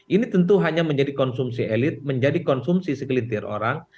ini tentu hanya menjadi konsumsi elit menjadi konsumsi segelintir orang